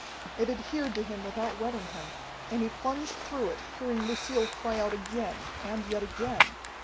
It adhered to him without wetting him, and he plunged through it, hearing Lucille cry out again, and yet again.